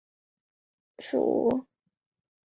薄竹属是禾本科下的一个属。